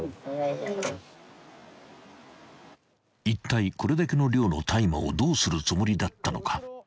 ［いったいこれだけの量の大麻をどうするつもりだったのか］